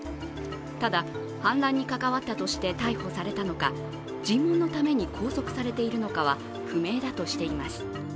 ただ反乱に関わったとして逮捕されたのか、尋問のために拘束されているのかは不明だとしています。